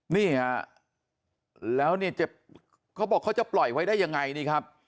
นี่ฮะแล้วเนี่ยเขาบอกเขาจะปล่อยไว้ได้ยังไงนี่ครับ